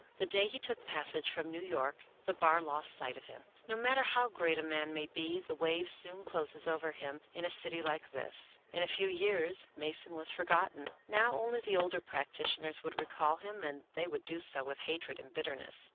The day he took passage from New York, the bar lost sight of him. No matter how great a man may be, the wave soon closes over him in a city Hke this. In a few years Mason was forgotten. Now only the older practitioners would recall him, and they would do so with hatred and bitterness.